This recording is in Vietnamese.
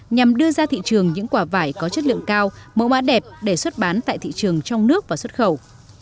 nhằm đưa ra thị trường những quả vải có chất lượng cao mẫu mã đẹp để xuất bán tại thị trường trong nước và xuất khẩu